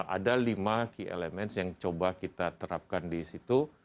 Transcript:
ada lima key elements yang coba kita terapkan di situ